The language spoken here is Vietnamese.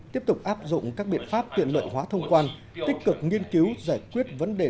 tiếp tục áp dụng các biện pháp tiện lợi hóa thông quan tích cực nghiên cứu giải quyết vấn đề